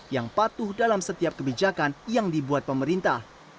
yang patuh dalam setiap kebijakan yang dibuat pemerintah